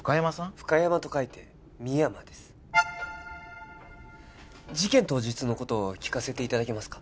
フカヤマと書いて深山です事件当日のことを聞かせていただけますか？